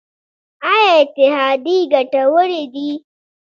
آیا اتحادیې ګټورې دي؟